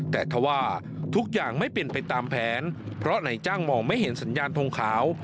แต่ถ้าว่าทุกอย่างไม่เป็นไปตามแผนเพราะนายจ้างมองไม่เห็นสัญญาณทงขาว